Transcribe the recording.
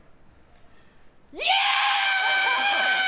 イエーイ！